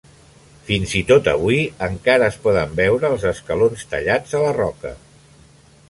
Fins i tot avui, encara es poden veure els escalons tallats a la roca.